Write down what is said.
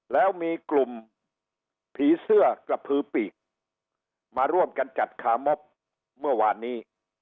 แล้วมีกลุ่มผีเสื้อกระพือปีกมาร่วมกันจัดคามอบเมื่อวานนี้